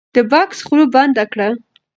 د بکس خوله بنده کړه.